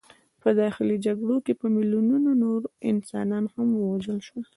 په داخلي جګړو کې په میلیونونو نور انسانان هم ووژل شول.